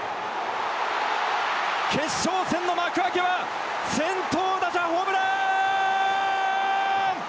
決勝戦の幕開けは先頭打者ホームラン！